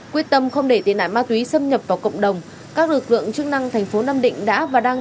quyết tâm không để tiền nạn ma túy xâm nhập vào cộng đồng các lực lượng chức năng thành phố nam định đã và đang